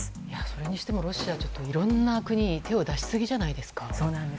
それにしてもロシアちょっといろいろな国に手を出しすぎじゃないですか。